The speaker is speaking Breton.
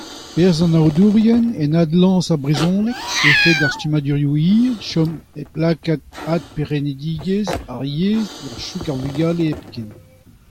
Perzh an oadourien en adlañs ar brezhoneg (efed ar stummadurioù hir, chom hep lakaat adperc'hennidigezh ar yezh war choug ar vugale hepken...).